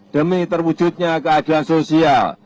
demi terwujudnya keadaan sosial